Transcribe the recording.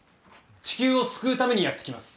地球を救うためにやって来ます。